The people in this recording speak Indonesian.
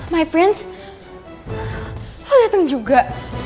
my prince lo dateng juga